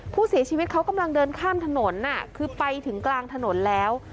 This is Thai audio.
ผู้เสียชีวิตเขากำลังเดินข้ามถนนคือไปถึงกลางถนนแล้ว